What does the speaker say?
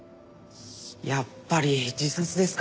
やっぱり自殺ですか？